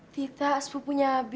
tita sepupunya abi